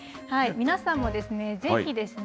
皆さんもですねぜひですね。